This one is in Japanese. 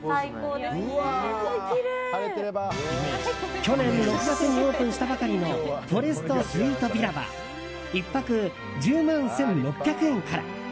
去年６月にオープンしたばかりのフォレストスイートヴィラは１泊１０万１６００円から。